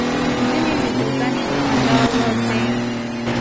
ځینې ویډیوګانې د خندا وړ دي.